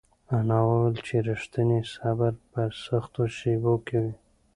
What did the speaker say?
انا وویل چې رښتینی صبر په سختو شېبو کې وي.